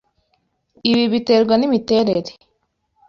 Ibi biterwa n'imiterere.